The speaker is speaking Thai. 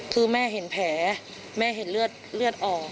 คือแม่เห็นแผลแม่เห็นเลือดออก